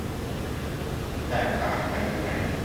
แตกต่างกันยังไง